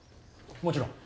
もちろん。